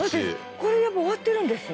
これでもう終わってるんですね？